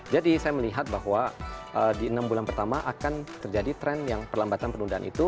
jadi saya melihat bahwa di enam bulan pertama akan terjadi tren yang perlambatan penundaan itu